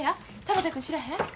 田畑君知らへん？